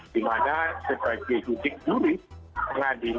di mana sebagai jutik jurid